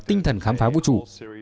tinh thần khám phá vũ trụ